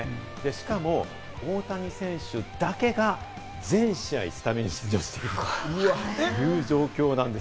しかも大谷選手だけが全試合スタメン出場しているという状況なんです。